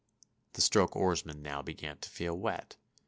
The stroke oarsman now began to feel wet.